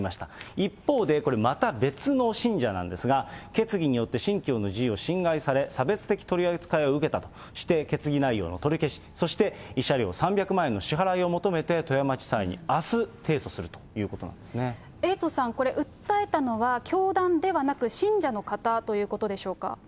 一方で、これ、また別の信者なんですが、決議によって信教の自由を侵害され、差別的取り扱いを受けたとして決議内容の取り消し、そして慰謝料３００万円の支払いを求めて富山地裁にあす、エイトさん、これ、訴えたのは教団ではなく、信者の方ということでしょうか。